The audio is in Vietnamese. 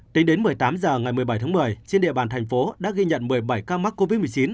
tính đến một mươi tám h ngày một mươi bảy tháng một mươi trên địa bàn thành phố đã ghi nhận một mươi bảy ca mắc covid một mươi chín